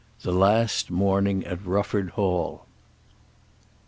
THE LAST MORNING AT RUFFORD HALL.